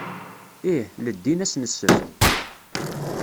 Ih, leddin ass n ssebt.